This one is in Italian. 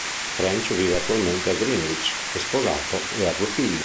French vive attualmente a Greenwich; è sposato e ha due figli.